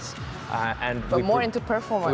tapi lebih ke persembahan